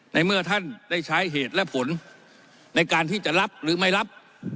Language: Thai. ในเมื่อท่านได้ใช้เหตุและผลในการที่จะรับหรือไม่รับ